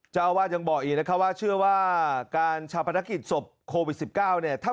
เจ้าอาวาสยังบอกอีกนะคะว่าเชื่อว่าการชาปนกิจศพโควิด๑๙เนี่ย